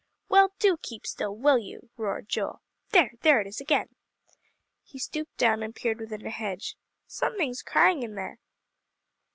"Well, do keep still, will you!" roared Joel. "There, there it is again." He stooped down, and peered within a hedge. "Something's crying in here."